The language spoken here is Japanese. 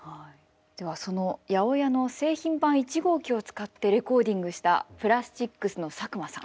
ではその８０８の製品版１号機を使ってレコーディングしたプラスチックスの佐久間さん。